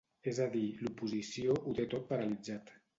És a dir, l’oposició ho té tot paralitzat.